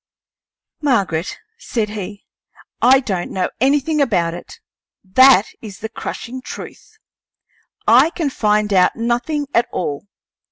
"Margaret," said he, "I don't know anything about it. That is the crushing truth. I can find out nothing at all.